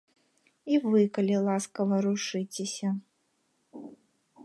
І вы, калі ласка, варушыцеся.